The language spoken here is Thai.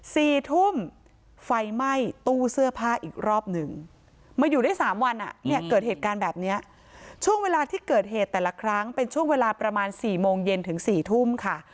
สี่ทุ่มไฟไหม้ตู้เสื้อผ้าอีกรอบหนึ่งมาอยู่ได้สามวันอ่ะเนี่ยเกิดเหตุการณ์แบบเนี้ยช่วงเวลาที่เกิดเหตุแต่ละครั้งเป็นช่วงเวลาประมาณสี่โมงเย็นถึงสี่ทุ่มค่ะ